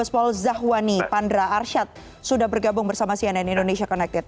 pandra arsyad sudah bergabung bersama cnn indonesia connected